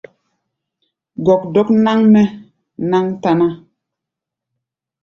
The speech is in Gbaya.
Gɔkdɔk náŋ-mɛ́ náŋ táná.